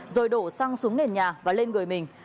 rồi đổ xăng xuống nền nhà và lên người mình